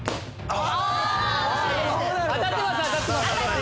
あ！